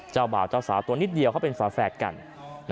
เจ้าบ่าวเจ้าสาวตัวนิดเดียวเขาเป็นฝาแฝดกัน